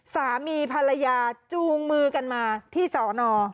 สามีภรรยาจูงมือกันมาที่สอนอ